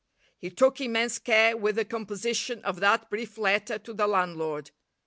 He took immense care with the composition of that brief letter to the landlord.